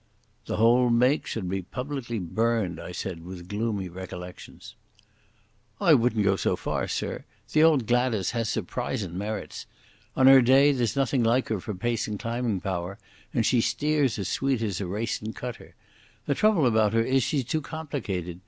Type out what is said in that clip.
"The whole make should be publicly burned," I said, with gloomy recollections. "I wouldn't go so far, sir. The old Gladas has surprisin' merits. On her day there's nothing like her for pace and climbing power, and she steers as sweet as a racin' cutter. The trouble about her is she's too complicated.